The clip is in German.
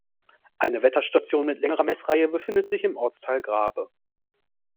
Eine Wetterstation mit längerer Messreihe befindet sich im Ortsteil Grabe.